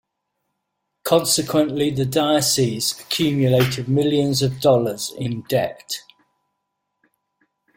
Consequently, the diocese accumulated millions of dollars in debt.